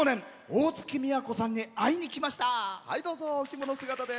大月みやこさんに会いに来ました。